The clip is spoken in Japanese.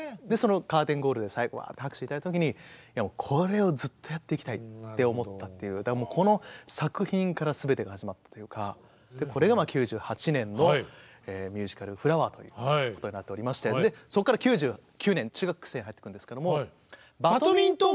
カーテンコールで最後わあって拍手頂いた時にこれをずっとやっていきたいって思ったっていうこの作品から全てが始まったというかこれが９８年のミュージカル「フラワー」ということになっておりましてそこから９９年中学生に入ってくるんですけども。